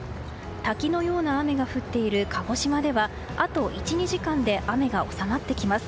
滝のような雨が降っている鹿児島ではあと１２時間で雨が収まってきます。